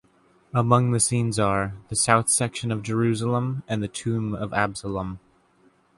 Among the scenes are: The South section of Jerusalem and the Tomb of Absalom.